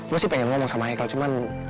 gue sih pengen ngomong sama haikal cuman